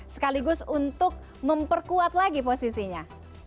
sekaligus untuk memperkuat lagi posisinya